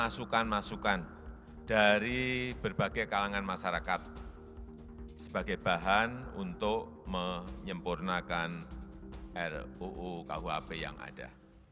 saya ingin menyempurnakan ruu kuhp yang ada